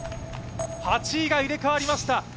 ８位が入れ代わりました。